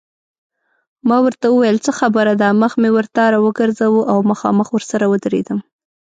ما ورته وویل څه خبره ده، مخ مې ورته راوګرځاوه او مخامخ ورسره ودرېدم.